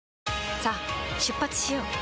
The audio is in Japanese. さあ出発しよう。